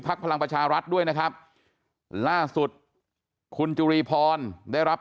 พลังประชารัฐด้วยนะครับล่าสุดคุณจุรีพรได้รับ